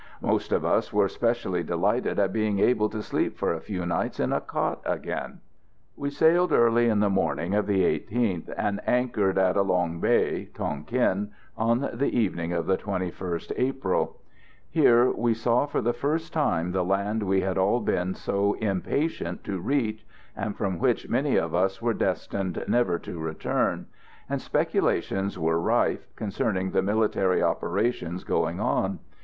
Most of us were specially delighted at being able to sleep for a few nights in a cot again. We sailed early in the morning of the 18th, and anchored in Along Bay (Tonquin) on the evening of the 21st April. Here we saw for the first time the land we had all been so impatient to reach, and from which many of us were destined never to return, and speculations were rife concerning the military operations going on.